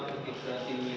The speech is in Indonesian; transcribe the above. sekitar lima puluh dua menit